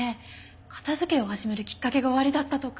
片づけを始めるきっかけがおありだったとか？